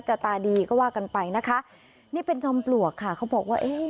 ตาดีก็ว่ากันไปนะคะนี่เป็นจอมปลวกค่ะเขาบอกว่าเอ๊ะ